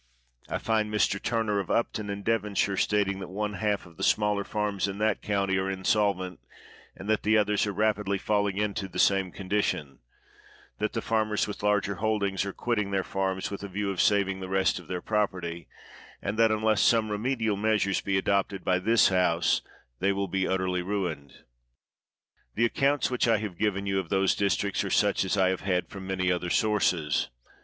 I find Mr. Turner of Upton, in Devonshire, sta ting that one half of the smaller farmers in that county are insolvent, and that the others are rapidly falling into the same condition ; that the farmers with larger holdings are quitting their farms with a view of saving the rest of their property; and that, unless some remedial meas ures be adopted by this House, they will be utterly ruined. The accounts which I have given you of those districts are such as I have had from many other sources.